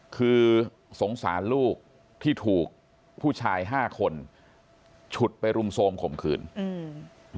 คือสงสารลูกที่ถูกผู้ชายห้าคนฉุดไปรุมโทรมข่มขืนอืม